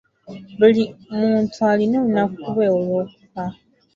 Buli muntu alina olunaku lwe olw'okufa.